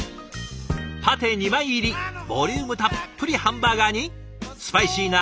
パテ２枚入りボリュームたっぷりハンバーガーにスパイシーな